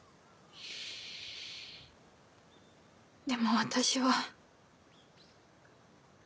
でも私は。